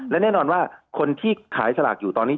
และแน่นอนว่าคนที่ขายสลากอยู่ตอนนี้